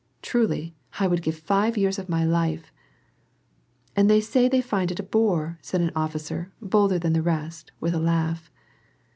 Truly, I would give live years of my life !"" And they say they find it a bore," said an officer, bolder than the rest, with a laugh.